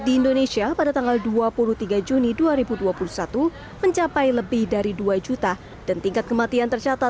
di indonesia pada tanggal dua puluh tiga juni dua ribu dua puluh satu mencapai lebih dari dua juta dan tingkat kematian tercatat